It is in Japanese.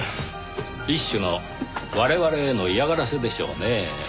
一種の我々への嫌がらせでしょうねぇ。